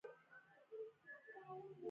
پوه شو چې کیسه سیدلال یوازې خلاصولی شي.